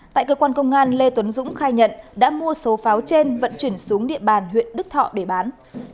tại cơ quan công an lê tuấn dũng khai nhận đã mua số pháo trên vận chuyển xuống địa bàn huyện đức thọ để bán